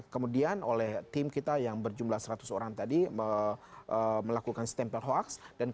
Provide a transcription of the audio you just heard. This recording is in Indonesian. kemudian oleh tim kita yang berjumlah seratus orang tadi melakukan stempel hoax